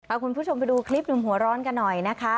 คุณผู้ชมไปดูคลิปหนุ่มหัวร้อนกันหน่อยนะคะ